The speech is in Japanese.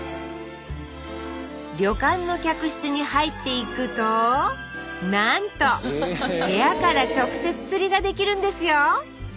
旅館の客室に入っていくとなんと！部屋から直接釣りができるんですよ